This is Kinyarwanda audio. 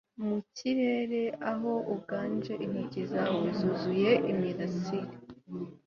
Mu kirere aho uganje intoki zawe zuzuye imirasire